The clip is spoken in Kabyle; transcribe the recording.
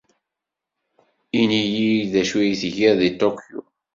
Ini-iyi-d d acu ay tgiḍ deg Tokyo.